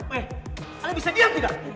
weh ale bisa diam tidak